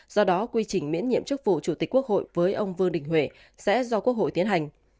do đó quy trình miễn nhiệm chức vụ chủ tịch quốc hội với ông vương đình huệ sẽ do quốc hội tiến hành